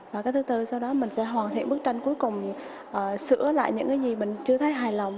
và cái thứ tư sau đó mình sẽ hoàn thiện bức tranh cuối cùng sửa lại những cái gì mình chưa thấy hài lòng